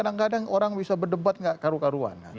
kadang kadang orang bisa berdebat gak karu karuan